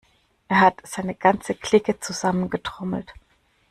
Er hat seine ganze Clique zusammengetrommelt.